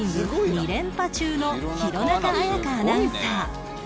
２連覇中の弘中綾香アナウンサー